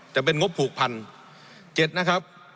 จะเป็นงบผูกพันธุ์